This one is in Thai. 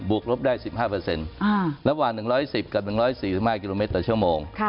กลบได้๑๕ระหว่าง๑๑๐กับ๑๔๕กิโลเมตรต่อชั่วโมง